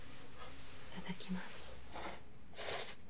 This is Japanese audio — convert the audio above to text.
いただきます。